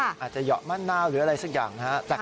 อาจจะเหยาะมะนาวหรืออะไรสักอย่างนะครับ